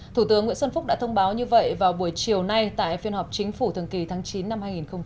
thủ tướng nguyễn xuân phúc đã thông báo như vậy vào buổi chiều nay tại phiên họp chính phủ thường kỳ tháng chín năm hai nghìn một mươi chín